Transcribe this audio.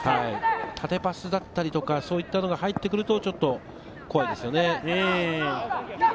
縦パスだったりとか、そういったのが入ってくると、ちょっと怖いですよね。